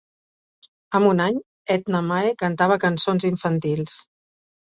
Amb un any, Edna Mae cantava cançons infantils.